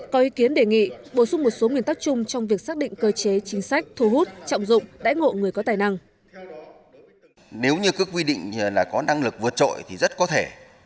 có ý kiến đề nghị bổ sung một số nguyên tắc chung trong việc xác định cơ chế